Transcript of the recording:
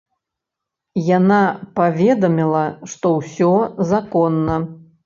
Яна паведаміла, што ўсё законна.